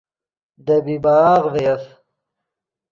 دے بیباغ ڤے یف